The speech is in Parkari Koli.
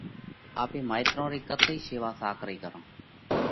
آپي مائيترون رئي ڪتئِي شيوا ساڪرئِي ڪرونه؟